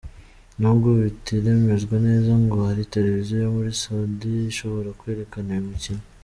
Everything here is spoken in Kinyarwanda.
Nubwo bitaremezwa neza, ngo hari televiziyo yo muri Sudani ishobora kwerekana uyu mukino.